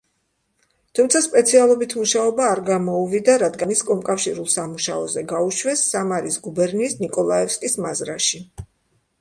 თუმცა სპეციალობით მუშაობა არ გამოუვიდა, რადგან ის კომკავშირულ სამუშაოზე გაუშვეს სამარის გუბერნიის ნიკოლაევსკის მაზრაში.